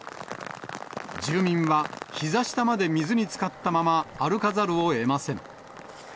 住民はひざ下まで水につかったまま歩かざるをえません。